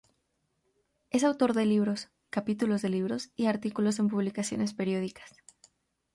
Es autor de libros, capítulos de libros y artículos en publicaciones periódicas.